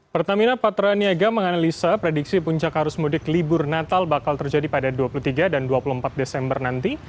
pertamina patraniaga menganalisa prediksi puncak arus mudik libur natal bakal terjadi pada dua puluh tiga dan dua puluh empat desember nanti